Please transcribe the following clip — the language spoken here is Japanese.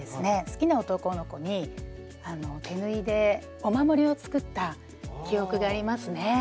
好きな男の子に手縫いでお守りを作った記憶がありますねはい。